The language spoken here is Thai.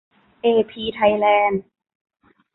เอพี ไทยแลนด์